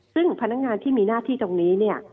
ซึ่งพนักงานที่มีหน้าที่ตรงนี้เนี่ย